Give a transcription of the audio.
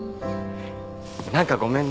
何かごめんね。